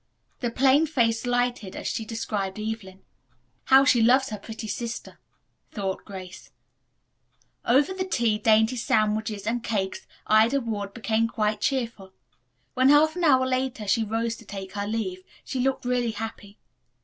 The plain face lighted as she described Evelyn. "How she loves her pretty sister," thought Grace. Over the tea, dainty sandwiches and cakes, Ida Ward became quite cheerful. When half an hour later she rose to take her leave, she looked really happy.